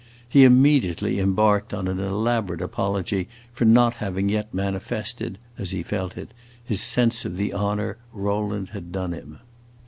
He immediately embarked on an elaborate apology for not having yet manifested, as he felt it, his sense of the honor Rowland had done him.